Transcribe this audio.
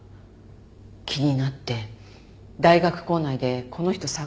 気になって大学構内でこの人捜してたの。